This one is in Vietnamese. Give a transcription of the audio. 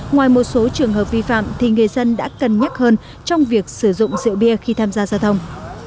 ngoài một số trường hợp vi phạm thì người dân đã cân nhắc hơn trong việc sử dụng rượu bia khi tham gia giao thông